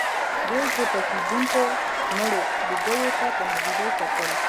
دوی پورته کېدونکو مړو لوګيو ته په ناهيلۍ کتل.